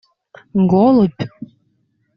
Голубь!